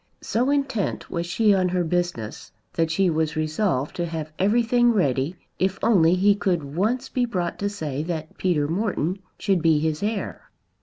So intent was she on her business that she was resolved to have everything ready if only he could once be brought to say that Peter Morton should be his heir.